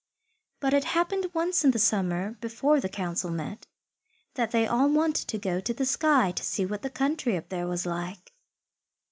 But it happened once in the summer before the council met, that they all wanted to go to the sky to see what the country up there was like.